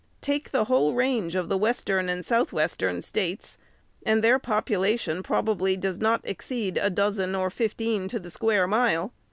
Take the whole range of the western and south western States, and their population, probably, does not exceed a dozen or fifteen to the square mile.